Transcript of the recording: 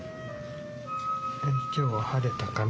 今日は晴れたかね？